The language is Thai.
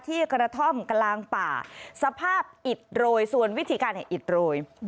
กระท่อมกลางป่าสภาพอิดโรยส่วนวิธีการอิดโรย